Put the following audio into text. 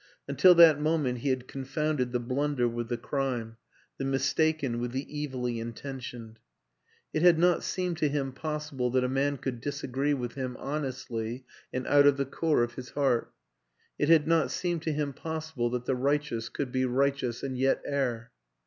... Until that moment he had confounded the blunder with the crime, the mistaken with the evilly in tentioned. It had not seemed to him possible that a man could disagree with him honestly and out of the core of his heart; it had not seemed to him possible that the righteous could be righteous no WILLIAM AN ENGLISHMAN and yet err.